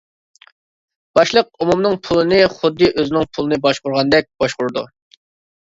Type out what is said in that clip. باشلىق ئومۇمنىڭ پۇلىنى خۇددى ئۆزىنىڭ پۇلىنى باشقۇرغاندەك باشقۇرىدۇ.